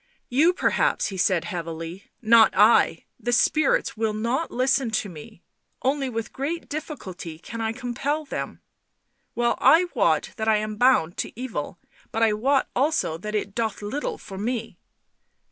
" You perhaps," he said heavily. " Not I — the spirits will not listen to me ... only with great difficulty can I compel them ... well I wot that I am bound to evil, but I wot also that it doth little for me."